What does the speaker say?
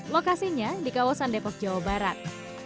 lokasinya di kawasan depok jawa barat